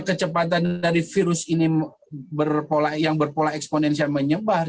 kecepatan dari virus ini yang berpola eksponensial menyebar